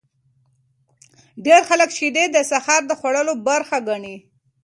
ډیر خلک شیدې د سهار د خوړلو برخه ګڼي.